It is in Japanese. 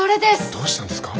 どうしたんですか？